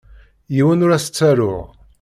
Yiwen ur as-ttaruɣ.